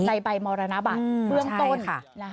ในใบมรณบัตรเบื้องต้น